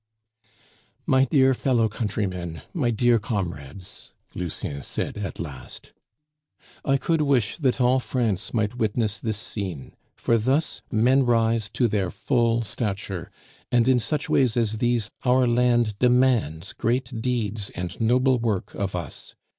"My dear fellow countrymen, my dear comrades," Lucien said at last, "I could wish that all France might witness this scene; for thus men rise to their full stature, and in such ways as these our land demands great deeds and noble work of us.